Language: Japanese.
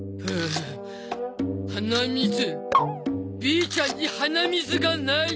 ビーちゃんに鼻水がない。